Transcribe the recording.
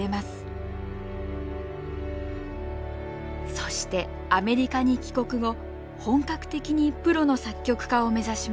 そしてアメリカに帰国後本格的にプロの作曲家を目指します。